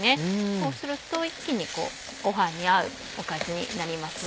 そうすると一気にご飯に合うおかずになりますね。